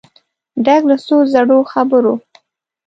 ډک له څو زړو خبرو